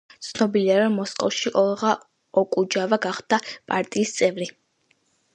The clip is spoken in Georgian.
ცნობილია, რომ მოსკოვში ოლღა ოკუჯავა გახდა პარტიის წევრი.